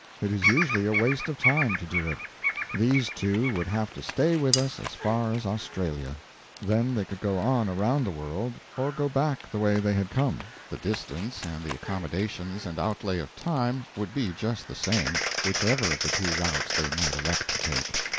It is usually a waste of time to do it. These two would have to stay with us as far as Australia. Then they could go on around the world, or go back the way they had come; the distance and the accommodations and outlay of time would be just the same, whichever of the two routes they might elect to take.